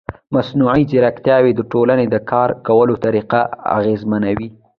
مصنوعي ځیرکتیا د ټولنې د کار کولو طریقه اغېزمنوي.